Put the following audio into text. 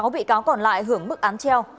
một mươi sáu bị cáo còn lại hưởng mức án treo